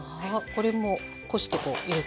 これもこして入れて？